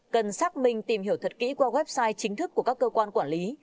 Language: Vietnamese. cần xác minh tìm hiểu thật kỹ qua website chính thức của các cơ quan quản lý